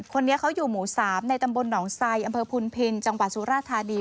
คนนี้เขาอยู่หมู่๓ในตำบลหนองไซอำเภอพุนพินจังหวัดสุราธานี